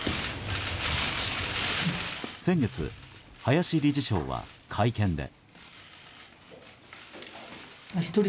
先月、林理事長は会見で。